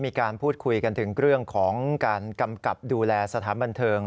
มีการพูดคุยกันถึงเรื่องของการกำกับดูแลสถานบันเทิง